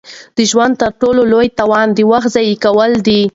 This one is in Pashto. د ژوند تر ټولو لوی تاوان د وخت ضایع کول دي.